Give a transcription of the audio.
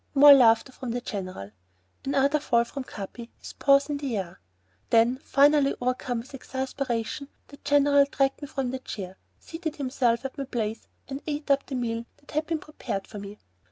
More laughter from the General. Another fall from Capi, his paws in the air. Then, finally overcome with exasperation, the General dragged me from the chair, seated himself at my place, and ate up the meal that had been prepared for me.